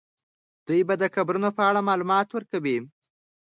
دوی به د قبرونو په اړه معلومات ورکوي.